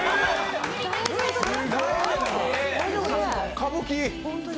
歌舞伎？